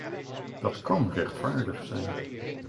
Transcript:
Dat kan rechtvaardig zijn.